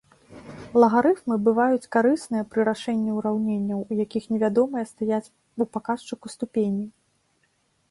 Лагарыфмы бываюць карысныя пры рашэнні ўраўненняў, у якіх невядомыя стаяць у паказчыку ступені.